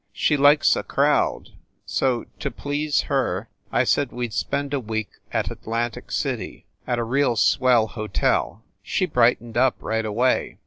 She likes a crowd. So, to please her, I said we d spend a week at Atlantic City at a real swell hotel. She bright ened up right away.